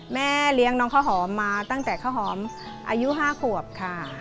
แม่เลี้ยงน้องข้าวหอมมาตั้งแต่ข้าวหอมอายุ๕ขวบค่ะ